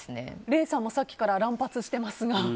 礼さんも、さっきから乱発してますが。